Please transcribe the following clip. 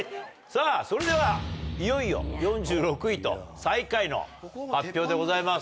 さぁそれではいよいよ４６位と最下位の発表でございます。